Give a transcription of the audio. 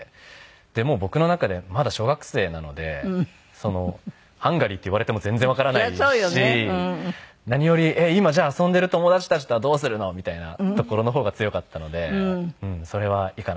でもう僕の中でまだ小学生なのでハンガリーって言われても全然わからないし何より今じゃあ遊んでる友達たちとはどうするの？みたいなところの方が強かったのでそれは行かなかったですね。